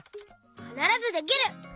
「かならずできる！」。